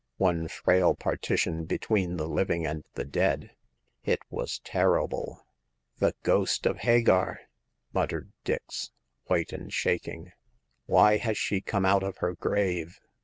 One frail partition between the living and the dead ! It was terrible !The ghost of Hagar!" muttered Dix, white and shaking. " Why has she come out of her grave